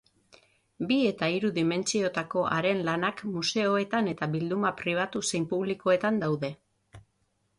Bi eta hiru dimentsiotako haren lanak museoetan eta bilduma pribatu zein publikoetan daude.